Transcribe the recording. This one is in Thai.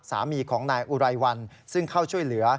สามีของนายอุไรวันซึ่งเข้าช่วยเหลือ